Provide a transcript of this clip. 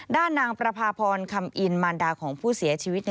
ด้านนางประพาพรคำอินมารดาของผู้เสียชีวิต